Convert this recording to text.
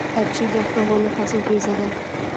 ارچي دښته ولې حاصلخیزه ده؟